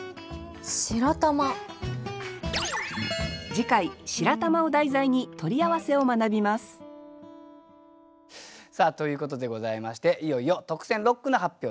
次回「白玉」を題材に「取り合わせ」を学びますさあということでございましていよいよ特選六句の発表です。